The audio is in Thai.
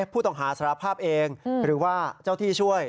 ผู้ต้องหาสารภาพเองหรือว่าเจ้าที่ช่วย